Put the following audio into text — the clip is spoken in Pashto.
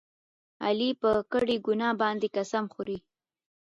علي په کړې ګناه باندې قسم خوري.